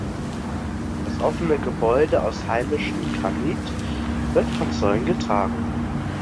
Das offene Gebäude aus heimischem Granit wird von Säulen getragen.